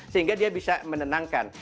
sehingga dia bisa menenangkan